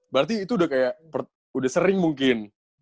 berarti itu udah kayak udah sering mungkin